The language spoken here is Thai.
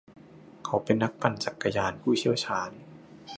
เขาเป็นนักปั่นจักรยานผู้เชี่ยวชาญ